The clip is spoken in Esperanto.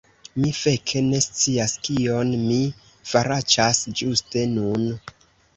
Mi feke ne scias kion mi faraĉas ĝuste nun!